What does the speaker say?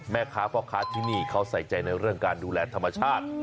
พ่อค้าที่นี่เขาใส่ใจในเรื่องการดูแลธรรมชาติ